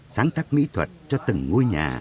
sáng tác mỹ thuật cho từng ngôi nhà